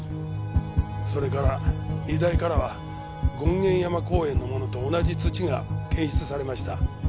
それから荷台からは権現山公園のものと同じ土が検出されました。